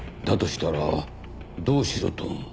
だとしたらどうしろと？